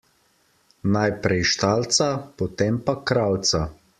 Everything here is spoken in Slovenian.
Najprej štalca, potem pa kravca.